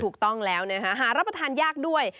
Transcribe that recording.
ถูกต้องแล้วนะคะหารับประทานยากด้วย